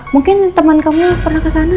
mungkin teman kamu pernah kesana